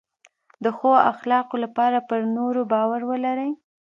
د ښو اخلاقو لپاره پر نورو باور ولرئ.